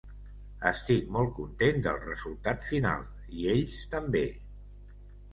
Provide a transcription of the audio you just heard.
Estic molt content del resultat final i ells també.